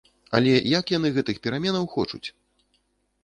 Але як яны гэтых пераменаў хочуць?